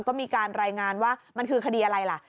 ก็มีการรายงานว่ามันคือคดีอะไรล่ะ